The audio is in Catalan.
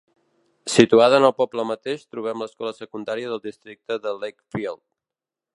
Situada en el poble mateix, trobem l'escola secundària del districte de Lakefield.